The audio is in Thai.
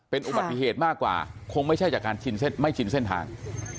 เป็นอุบัติเหตุมากกว่าคงไม่ใช่จากการชินไม่ชินเส้นทาง